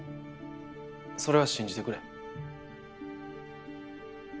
それは信じてくれ。